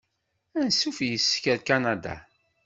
Ansuf yis-k ar Kanada!